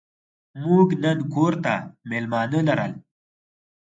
موږ نن کور ته مېلمانه لرل.